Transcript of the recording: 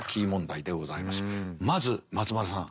まず松丸さん。